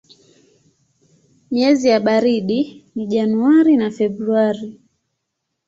Miezi ya baridi ni Januari na Februari.